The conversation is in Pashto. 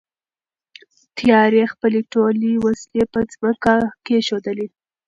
تیارې خپلې ټولې وسلې په ځمکه کېښودلې.